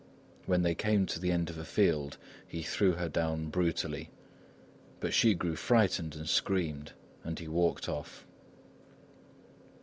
When they came to the end of a field he threw her down brutally. But she grew frightened and screamed, and he walked off.